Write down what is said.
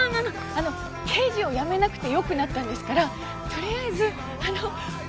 あの刑事を辞めなくてよくなったんですからとりあえずお祝いしませんか？